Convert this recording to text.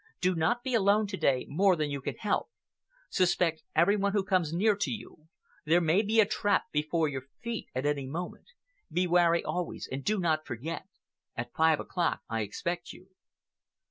Do not be alone to day more than you can help. Suspect every one who comes near to you. There may be a trap before your feet at any moment. Be wary always and do not forget—at five o'clock I expect you."